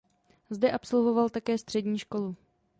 Zde absolvoval také střední školu.